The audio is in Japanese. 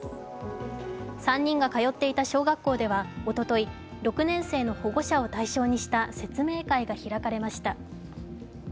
３人が通っていた小学校ではおととい、６年生の保護者を対象にした説明会が開かれました。